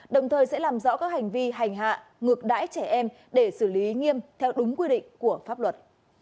đồng thời sẽ làm rõ các hành vi hành hạ ngược đãi trẻ em để xử lý nghiêm theo đúng quy định của pháp luật